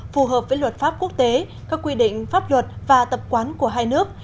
phù hợp với luật pháp quốc tế các quy định pháp luật và tập quán của hai nước